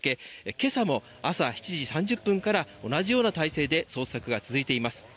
今朝も朝７時３０分から同じような体制で捜索が続いています。